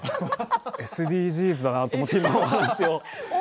ＳＤＧｓだなと思って今お話を。